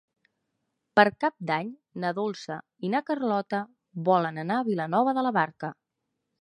Per Cap d'Any na Dolça i na Carlota volen anar a Vilanova de la Barca.